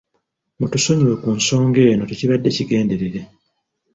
Mutusonyiwe ku nsonga eno, tekibadde kigenderere.